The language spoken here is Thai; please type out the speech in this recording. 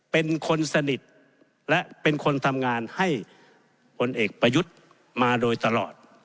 เป็นคนสนิทและเป็นคนทำงานให้ผลเอกประยุทธ์มาโดยตลอด